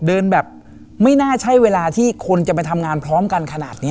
เดินแบบไม่น่าใช่เวลาที่คนจะไปทำงานพร้อมกันขนาดนี้